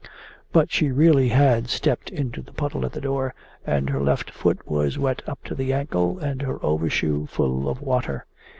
But she really had stepped into the puddle at the door, and her left foot was wet up to the ankle and her overshoe full of water.